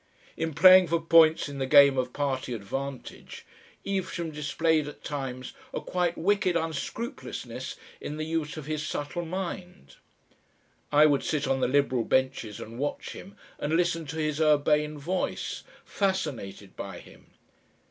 In playing for points in the game of party advantage Evesham displayed at times a quite wicked unscrupulousness in the use of his subtle mind. I would sit on the Liberal benches and watch him, and listen to his urbane voice, fascinated by him.